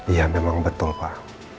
iya memang betul pak